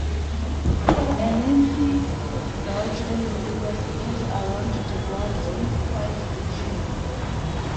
A lengthy gauge railway was built around the grounds with five stations.